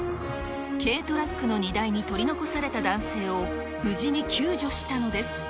軽トラックの荷台に取り残された男性を無事に救助したのです。